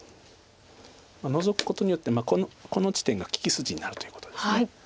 ノゾくことによってこの地点が利き筋になるということです。